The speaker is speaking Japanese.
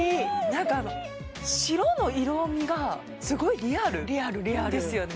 なんかあの白の色みがすごいリアルですよね